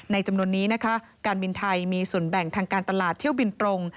จำนวนนี้นะคะการบินไทยมีส่วนแบ่งทางการตลาดเที่ยวบินตรง